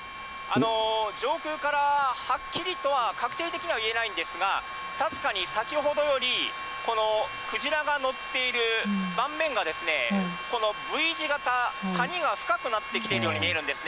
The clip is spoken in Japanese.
上空から、はっきりとは確定的には言えないんですが、確かに先ほどより、このクジラが載っている板面が、このＶ字形、谷が深くなってきているように見えるんですね。